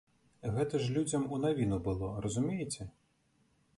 Гэта ж людзям у навіну было, разумееце?